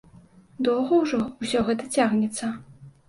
Доўга ўжо ўсё гэта цягнецца.